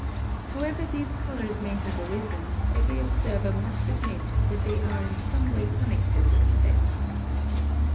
However these colors may have arisen, every observer must admit that they are in some way connected with sex.